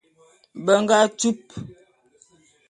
Be nga tup.